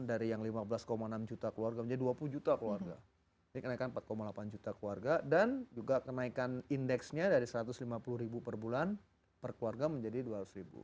dari yang lima belas enam juta keluarga menjadi dua puluh juta keluarga ini kenaikan empat delapan juta keluarga dan juga kenaikan indeksnya dari satu ratus lima puluh ribu per bulan per keluarga menjadi dua ratus ribu